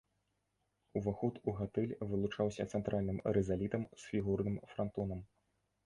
Уваход у гатэль вылучаўся цэнтральным рызалітам з фігурным франтонам.